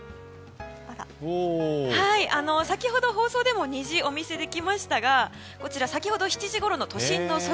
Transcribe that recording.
先ほど放送でも虹をお見せできましたがこちら、先ほど７時ごろの都心の空。